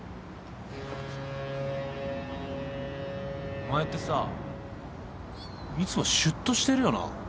お前ってさいつもシュッとしてるよな。